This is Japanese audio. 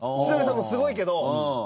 千鳥さんもすごいけど。